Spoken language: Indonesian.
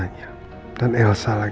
bikin semua orang jadi bertayah tayah